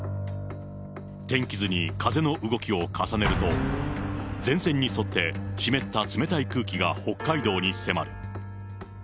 天気図に風の動きを重ねると、前線に沿って湿った冷たい空気が北海道に迫る。